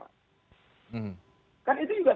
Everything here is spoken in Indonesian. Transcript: yang menyampaikan ketua partai politik